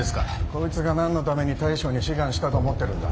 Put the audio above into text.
こいつが何のために大将に志願したと思ってるんだ。